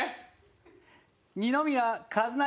二宮和也